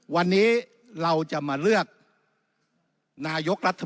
วันนี้เราจะมาเลือกนายกรัฐมนตรี